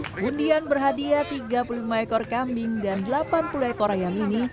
pengundian berhadiah tiga puluh lima ekor kambing dan delapan puluh ekor ayam ini